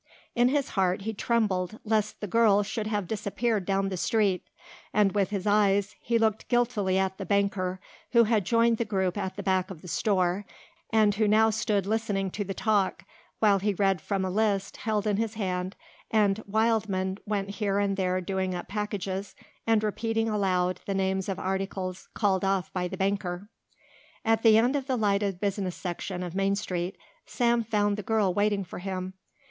In his heart he trembled lest the girl should have disappeared down the street, and with his eyes, he looked guiltily at the banker, who had joined the group at the back of the store and who now stood listening to the talk, while he read from a list held in his hand and Wildman went here and there doing up packages and repeating aloud the names of articles called off by the banker. At the end of the lighted business section of Main Street, Sam found the girl waiting for him.